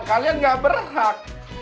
kalian nggak berhak